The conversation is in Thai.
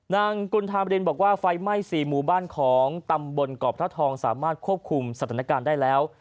กุณธามรินบอกว่าไฟไหม้๔หมู่บ้านของตำบลเกาะพระทองสามารถควบคุมสถานการณ์ได้แล้ว